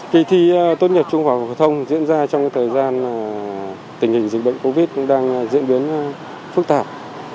kỳ thi tốt nhật trung hòa hội thông diễn ra trong thời gian tình hình dịch bệnh covid một mươi chín đang diễn biến phức tạp